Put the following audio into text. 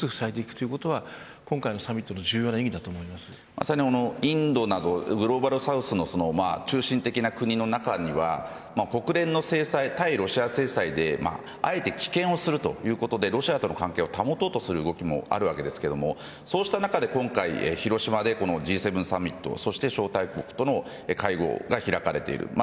最後は中国という大きな穴がありますが、少なくても少しずつ塞いでいくというのは今回のサミットのまさにグローバルサウスの中心的な国の中には国連の制裁、対ロシア制裁であえて棄権をするということでロシアとの関係を保とうとする動きもあるわけですがそうした中で今回、広島でＧ７サミットそして招待国との会合が開かれている。